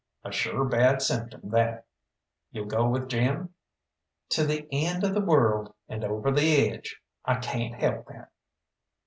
"A sure bad symptom that. You'll go with Jim?" "To the end of the world, and over the edge I cayn't help that."